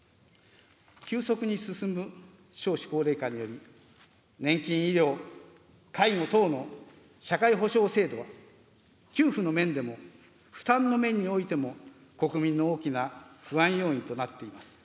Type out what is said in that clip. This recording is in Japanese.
急速に進む少子高齢化により、年金、医療、介護等の社会保障制度は、給付の面でも負担の面においても国民の大きな不安要因となっています。